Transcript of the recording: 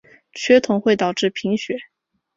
缺铜会导致贫血。